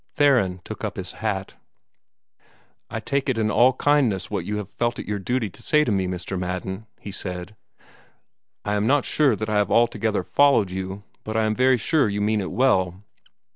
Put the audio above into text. Theron took up his hat. "I take in all kindness what you have felt it your duty to say to me, Mr. Madden," he said. "I am not sure that I have altogether followed you, but I am very sure you mean it well."